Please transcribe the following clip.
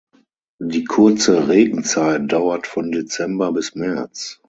Die kurze Regenzeit dauert von Dezember bis März.